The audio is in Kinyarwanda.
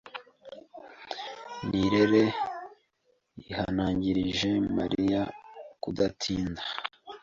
Nirere yihanangirije Mariya kudatinda.